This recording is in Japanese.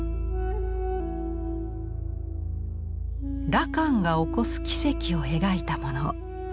羅漢が起こす奇跡を描いたもの。